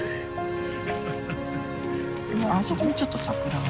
あそこにちょっと桜が。